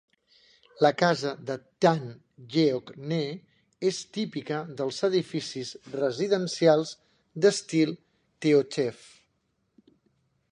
La casa de Tan Yeok Nee és típica dels edificis residencials d'estil Teochew.